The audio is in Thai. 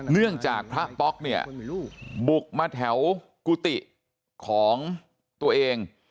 เนื่องจากพระป๊อกเนี่ยบุกมาแถวกุฏิของตัวเอง